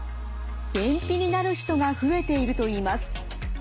便秘になる人が増えているといいます。